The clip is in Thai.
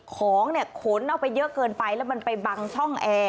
ของเนี่ยขนเอาไปเยอะเกินไปแล้วมันไปบังช่องแอร์